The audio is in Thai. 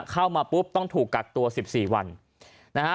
เข้ามาปุ๊บต้องถูกกักตัว๑๔วันนะฮะ